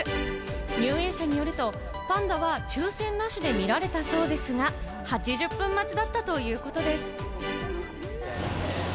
入園者によるとパンダは抽選なしで見られたそうですが、８０分待ちだったということです。